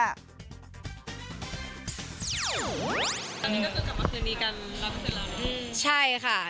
ตอนนี้ก็เกิดกลับมาคืนนี้กันแล้วก็เกิดแล้วเนอะ